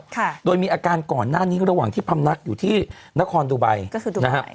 ค่ะโดยมีอาการก่อนหน้านี้ระหว่างที่พำนักอยู่ที่นครดูไบก็คือดูนะฮะ